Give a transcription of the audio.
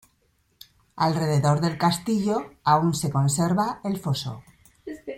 Alrededor del castillo aún se conserva el foso.